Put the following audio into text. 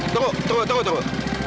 tunggu tunggu tunggu